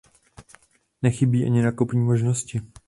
Nechybí ani nákupní možnosti.